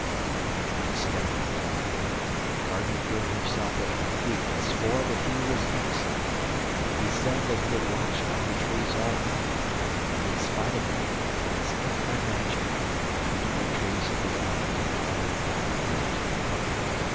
'But instead of replying, the gardener threw himself at my feet and swore that he was innocent. He said that he had watched by the trees all night, but in spite of it, and as if by magic, the beautiful trees had been robbed of all their fruit.